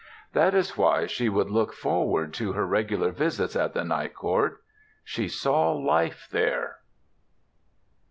That is why she would look forward to her regular visits at the Night Court. She saw life there.